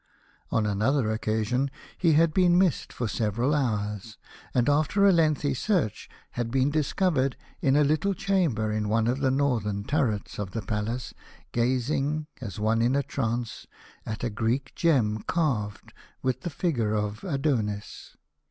On another occasion he had been missed for several hours, and after a lengthened search had been discovered in a little chamber in one of the northern turrets of the palace gazing, as one in a trance, at a Greek gem carved with the figure of Adonis.